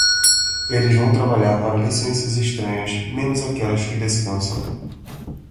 Eles vão trabalhar para licenças estranhas, menos aquelas que descansam.